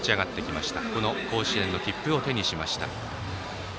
そしてこの甲子園の切符を手にしました。